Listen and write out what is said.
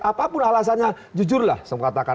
apapun alasannya jujurlah saya mengatakan